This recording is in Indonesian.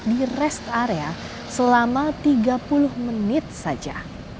di rest area selama tiga puluh menit saja